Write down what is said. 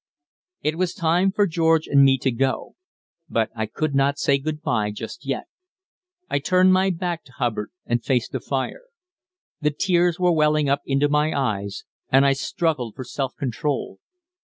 It was time for George and me to go. But I could not say good bye just yet. I turned my back to Hubbard and faced the fire. The tears were welling up into my eyes, and I struggled for self control.